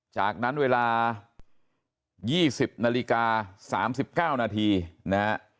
จากนั้นเวลา๒๐น๓๙น